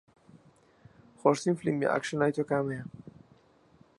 خۆشترین فیلمی ئاکشن لای تۆ کامەیە؟